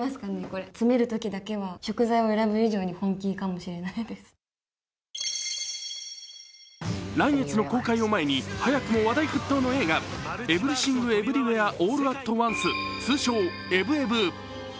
そんな広瀬さんのグッドな特技が来月の公開を前に早くも話題沸騰の映画、「エブリシング・エブリウェア・オール・アット・ワンス」通称「エブエブ」。